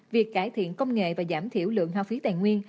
việc cải thiện công nghệ và giảm thiểu lượng hao phí tài nguyên